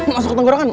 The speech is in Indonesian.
masuk ke tenggorakan